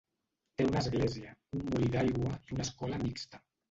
Té una església, un molí d'aigua i una escola mixta.